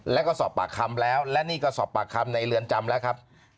แล้วก็สอบปากคำแล้วและนี่ก็สอบปากคำในเรือนจำแล้วครับ